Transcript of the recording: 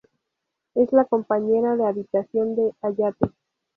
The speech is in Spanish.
Es la compañera de habitación de Hayate.